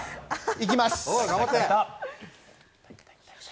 行きます。